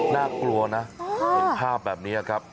น่ากลัวนะเห็นภาพแบบนี้ครับ